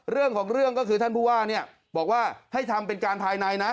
เรื่องของเรื่องก็คือท่านผู้ว่าเนี่ยบอกว่าให้ทำเป็นการภายในนะ